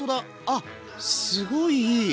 あすごいいい！